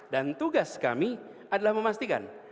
dan tugas kami adalah memastikan